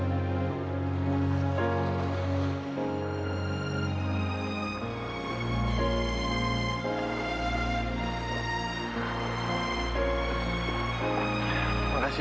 aku juga sayang banget sama kamu